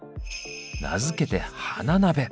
名付けて「花鍋」。